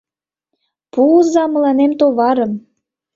«Пуыза мыланем товарым.